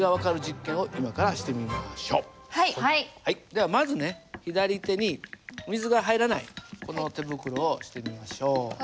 ではまずね左手に水が入らないこの手袋をしてみましょう。